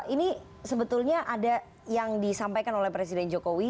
ini sebetulnya ada yang disampaikan oleh presiden jokowi